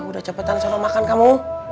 udah cepetan sama makan kamu